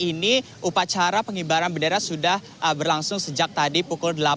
ini upacara pengibaran bendera sudah berlangsung sejak tadi pukul delapan